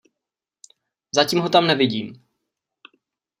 Zatím ho tam nevídím.